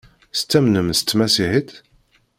Tettamnem s tmasiḥit?